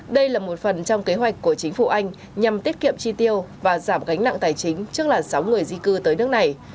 đây là một phần trong kế hoạch của chính phủ anh nhằm tiết kiệm chi tiêu và giảm gánh nặng tài chính trước là sáu người di cư tới nước này